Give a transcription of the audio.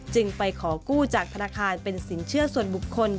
จึงไปขอกู้จากธนาคารเป็นสินเชื่อส่วนบุคคล